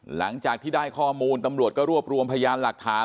หลังจากที่ได้ข้อมูลตำรวจก็รวบรวมพยานหลักฐาน